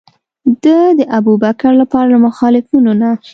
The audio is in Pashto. ده د ابوبکر لپاره له مخالفینو نه.